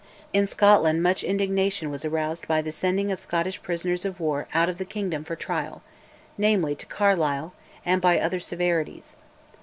In Scotland much indignation was aroused by the sending of Scottish prisoners of war out of the kingdom for trial namely, to Carlisle and by other severities.